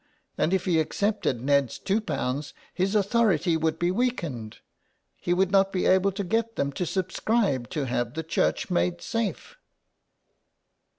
... And if he accepted Ned's two pounds his authority would be weakened ; he would not be able to get them to subscribe to have the church made safe.